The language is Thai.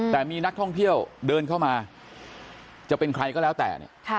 แต่มีนักท่องเที่ยวเดินเข้ามาจะเป็นใครก็แล้วแต่เนี่ย